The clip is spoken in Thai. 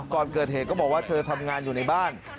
ก่อนเกิดเหตุก็บอกว่าเธอทำงานอยู่ในบ้าน